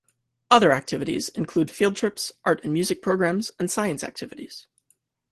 Other activities include field trips, art and music programs, and science activities.